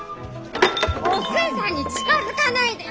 お寿恵さんに近づかないで！